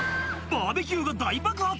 バーベキューが大爆発？